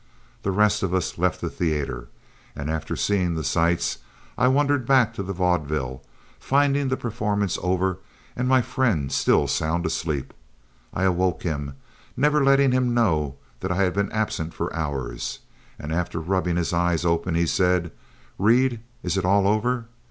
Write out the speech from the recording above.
The rest of us left the theatre, and after seeing the sights I wandered back to the vaudeville, finding the performance over and my friend still sound asleep. I awoke him, never letting him know that I had been absent for hours, and after rubbing his eyes open, he said: "Reed, is it all over?